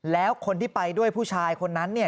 แล้วคนที่ไปด้วยผู้ชายคนนั้นเนี่ย